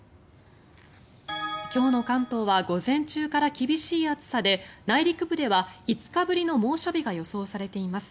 今日の関東は午前中から厳しい暑さで内陸部では５日ぶりの猛暑日が予想されています。